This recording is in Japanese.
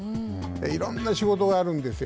いろんな仕事があるんですよ。